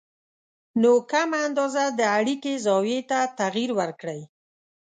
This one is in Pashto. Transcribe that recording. نو کمه اندازه د اړیکې زاویې ته تغیر ورکړئ